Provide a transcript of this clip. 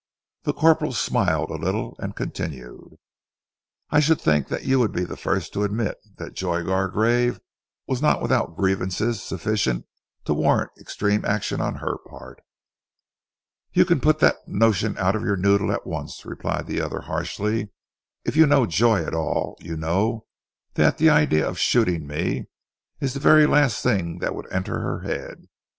The corporal smiled a little, and continued "I should think that you would be the first to admit that Joy Gargrave was not without grievances sufficient to warrant extreme action on her part." "You can put that notion out of your noddle, at once," replied the other harshly. "If you know Joy at all, you know that the idea of shooting me is the very last thing that would enter her head.